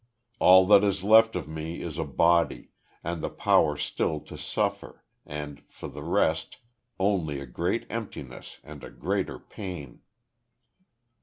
All that is left of me is a body, and the power still to suffer, and for the rest, only a great emptiness, and a greater pain."